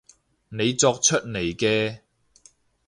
你作出嚟嘅